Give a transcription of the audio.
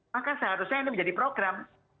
maka seharusnya ini menjadi program